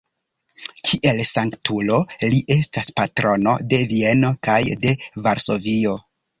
Kiel sanktulo li estas patrono de Vieno kaj de Varsovio.